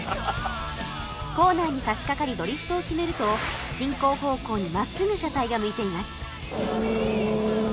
コーナーに差しかかりドリフトを決めると進行方向に真っすぐ車体が向いています